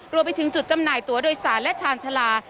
รวมไปถึงจุดจำหน่ายตัวโดยสารและชาญชาลา